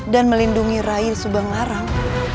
dan melindungi rai subanglarang